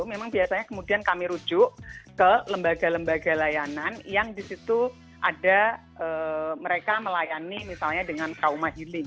memang biasanya kemudian kami rujuk ke lembaga lembaga layanan yang di situ ada mereka melayani misalnya dengan trauma healing